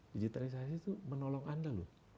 digitalisasi itu menolong anda loh